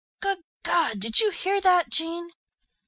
Good God, did you hear that, Jean?"